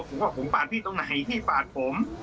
ผมว่าผมปาดพี่ตรงไหนพี่ปาดผม